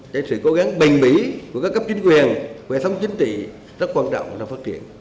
cho sự cố gắng bình mỹ của các cấp chính quyền hệ thống chính trị rất quan trọng trong phát triển